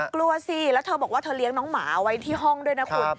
กลัวสิแล้วเธอบอกว่าเธอเลี้ยงน้องหมาไว้ที่ห้องด้วยนะคุณ